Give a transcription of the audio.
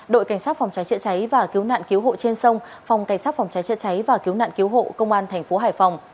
đội cảnh sát phòng trái chữa cháy và cứu nạn cứu hộ trên sông phòng cảnh sát phòng trái chữa cháy và cứu nạn cứu hộ công an tp hải phòng